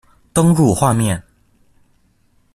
登入畫面